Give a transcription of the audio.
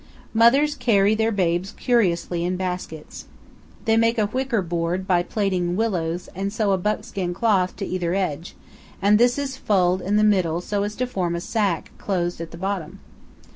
Mothers carry their babes curiously in baskets. They make a wicker board by plaiting willows and sew a buckskin cloth to either edge, and this is fulled in the middle so as to form a sack closed at the bottom.